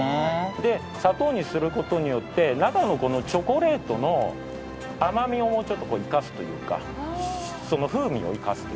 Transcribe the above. で砂糖にすることによって中のチョコレートの甘味をもうちょっと生かすというかその風味を生かす。